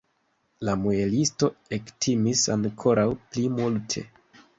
La muelisto ektimis ankoraŭ pli multe.